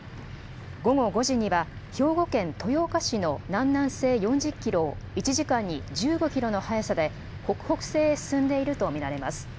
午後５時には、兵庫県豊岡市の南南西４０キロを、１時間に１５キロの速さで北北西へ進んでいると見られます。